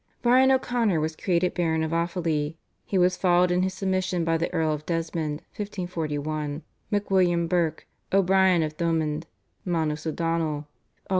Brian O'Connor was created Baron of Offaly. He was followed in his submission by the Earl of Desmond (1541), MacWilliam Burke, O'Brien of Thomond, Manus O'Donnell (Aug.